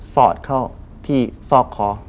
สอดเข้าที่ซอกคอ